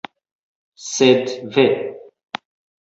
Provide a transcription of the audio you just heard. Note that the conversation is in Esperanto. Sed ve!